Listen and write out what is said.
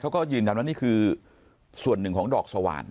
เขาก็ยืนยันว่านี่คือส่วนหนึ่งของดอกสว่าน